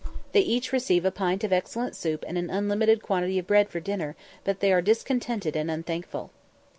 They each receive a pint of excellent soup and an unlimited quantity of bread for dinner; but they are discontented and unthankful.